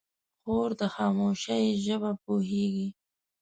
خور د خاموشۍ ژبه پوهېږي.